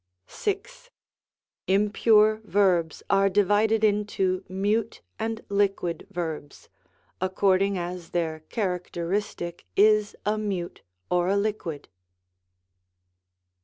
6. Impure verbs are divided into Mute and Liquid verbs, according as their characteristic is a Mute or a Liquid.